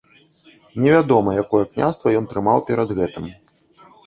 Невядома якое княства ён трымаў перад гэтым.